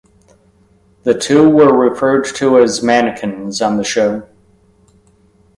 The two were referred to as "mannequins" on the show.